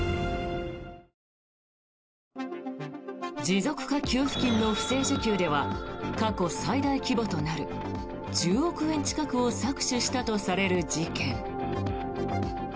持続化給付金の不正受給では過去最大規模となる１０億円近くを搾取したとされる事件。